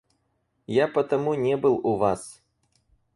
Я потому не был у вас.